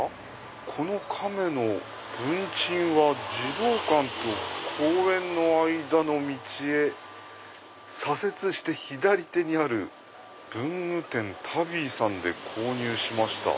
「この亀の文鎮は児童館と公園の間の道へ左折して左手にある文具店タビーさんで購入しました」。